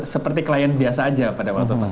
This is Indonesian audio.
seperti klien biasa aja pada waktu pak